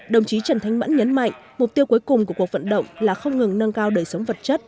đồng chí trần thanh mẫn nhấn mạnh mục tiêu cuối cùng của cuộc vận động là không ngừng nâng cao đời sống vật chất